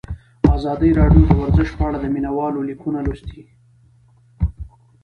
ازادي راډیو د ورزش په اړه د مینه والو لیکونه لوستي.